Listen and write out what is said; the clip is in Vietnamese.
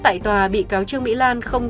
tại tòa bị cáo trương mỹ lan không